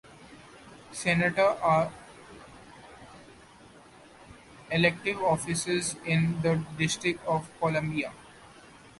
Senator are elective offices in the District of Columbia.